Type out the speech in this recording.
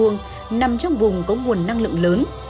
nằm trong vùng có nguồn năng lượng lớn